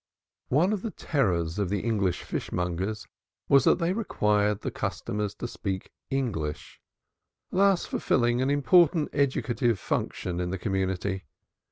One of the terrors of the English fishmongers was that they required the customer to speak English, thus fulfilling an important educative function in the community.